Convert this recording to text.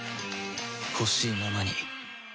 ほしいままに